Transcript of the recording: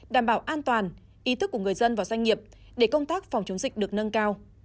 đảm bảo an toàn ý thức của người dân và doanh nghiệp để công tác phòng chống dịch được nâng cao